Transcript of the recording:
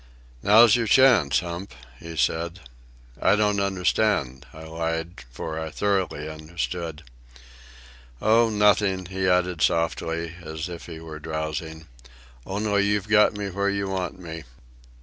"Now's your chance, Hump," he said. "I don't understand," I lied, for I thoroughly understood. "Oh, nothing," he added softly, as if he were drowsing; "only you've got me where you want me."